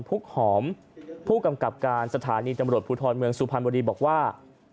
พุกหอมผู้กำกับการสถานีตำรวจภูทรเมืองสุพรรณบุรีบอกว่า